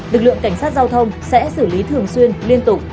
lực lượng cảnh sát giao thông sẽ xử lý thường xuyên liên tục